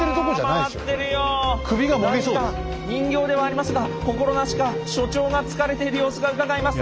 何か人形ではありますが心なしか所長が疲れている様子がうかがえます。